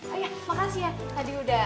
ayo makasih ya tadi udah